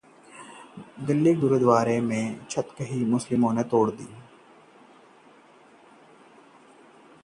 दिल्ली में गुरुद्वारे की छत गिरी, सेवादार का परिवार आया चपेट में